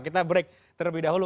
kita break terlebih dahulu